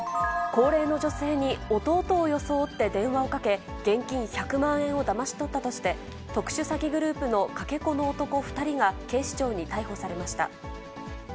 高齢の女性に弟を装って電話をかけ、現金１００万円をだまし取ったとして、特殊詐欺グループのかけ子の男２人が警視庁に逮捕されました。